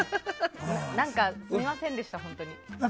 何か、すみませんでした本当に。